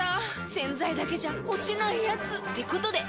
⁉洗剤だけじゃ落ちないヤツってことで。